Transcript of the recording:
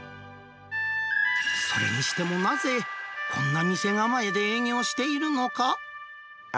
それにしてもなぜ、こんな店構えで営業しているのか。